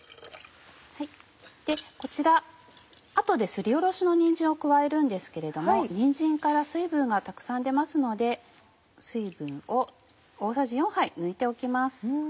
でこちらあとですりおろしのにんじんを加えるんですけれどもにんじんから水分がたくさん出ますので水分を大さじ４杯抜いておきます。